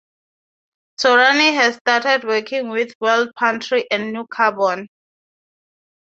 Torani has started working with World Pantry and New Carbon.